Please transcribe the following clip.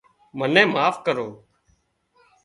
منين معاف ڪرو